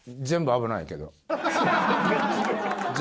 全部危ないけど。